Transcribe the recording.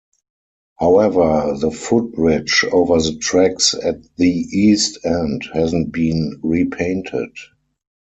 However, the footbridge over the tracks at the east end hasn't been repainted.